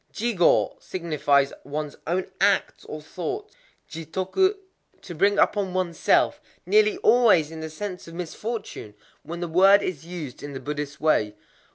Jigō signifies ones own acts or thoughts; jitoku, to bring upon oneself,—nearly always in the sense of misfortune, when the word is used in the Buddhist way.